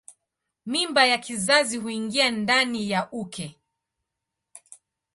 Mimba ya kizazi huingia ndani ya uke.